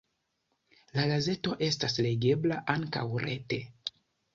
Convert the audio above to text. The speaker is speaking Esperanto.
La gazeto estas legebla ankaŭ rete.